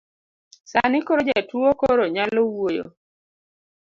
Sani koro jatuo koro nyalo wuoyo